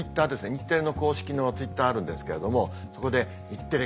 日テレの公式のＴｗｉｔｔｅｒあるんですけれどもそこで。